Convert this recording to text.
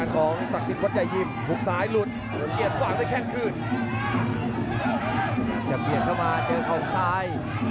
กับเกียรติเข้ามาเจอเขาซ้าย